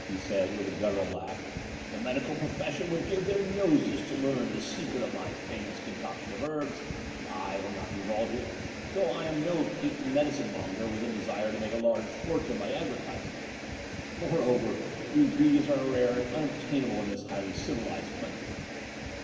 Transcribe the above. he said, with a guttural laugh. The medical profession would give their noses to leam the secret of my famous concoction of herbs; but I will not divulge it, though I am no patent medicine monger with a desire to make a large fortune by advertising it. Moreover, the ingredients are rare and unobtain able in this highly civilized country."